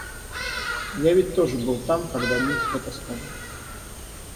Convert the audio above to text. Я ведь тоже был там, когда Мик это сказал.